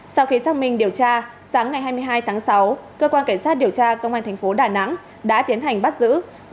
sau khi xác minh điều tra sáng ngày hai mươi hai tháng sáu cơ quan cảnh sát điều tra công an thành phố đà nẵng đã tiến hành bắt giữ